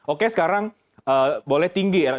oke sekarang boleh tinggi